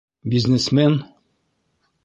Бизнесмен?